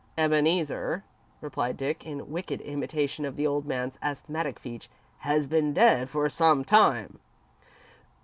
"Ebeneezer," replied Dick, in wicked imitation of the old man's asthmatic speech, "has been dead for some time."